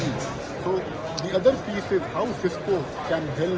mengatasi kebutuhan indosat internal